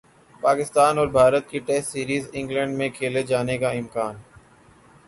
پاکستان اور بھارت کی test series England میں کھیلے جانے کا امکان